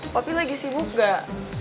papi lagi sibuk gak